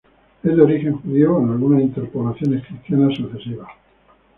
Es de origen judío con algunas interpolaciones cristianas sucesivas.